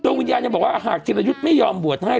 วิญญาณยังบอกว่าหากธิรยุทธ์ไม่ยอมบวชให้